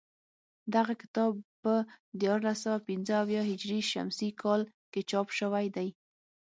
دغه کتاب په دیارلس سوه پنځه اویا هجري شمسي کال کې چاپ شوی دی